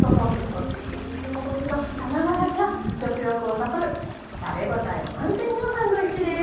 そしてにんにくの風味の卵焼きが食欲をそそる食べ応え満点のサンドイッチです。